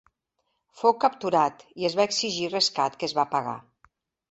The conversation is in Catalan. Fou capturat i es va exigir rescat que es va pagar.